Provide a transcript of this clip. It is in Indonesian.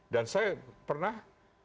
dan saya pernah